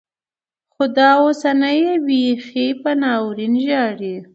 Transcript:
خو دا اوسنۍيې بيخي په ناورين ژاړي.